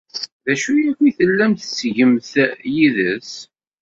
D acu akk ay tellam tettgem-t yid-s?